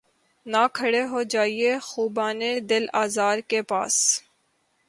نہ کھڑے ہوجیے خُوبانِ دل آزار کے پاس